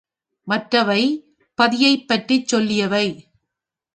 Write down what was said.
மற்றவை பதியைப் பற்றிச் சொல்லியவை.